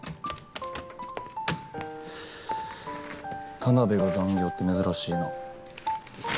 田辺が残業って珍しいな。